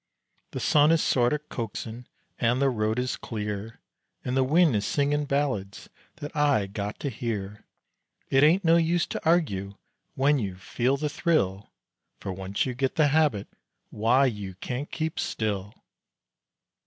The sun is sorta coaxin' and the road is clear And the wind is singin' ballads that I got to hear. It ain't no use to argue when you feel the thrill; For once you git the habit, why, you can't keep still.